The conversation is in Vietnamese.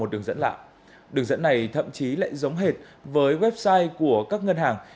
đường dẫn này thậm chí lại giống hệt với website của các ngân hàng